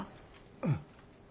うん。